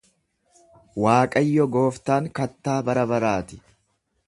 Waaqayyo gooftaan kattaa barabaraati.